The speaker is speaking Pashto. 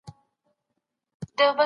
د قانون موخه څنګه روښانه کېږي؟